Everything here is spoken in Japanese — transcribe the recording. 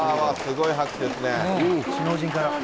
首脳陣から。